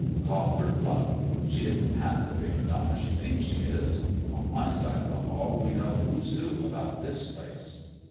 Call her bluff. She isn't half the prima donna she thinks she is. On my side of the hall we know who's who about this place."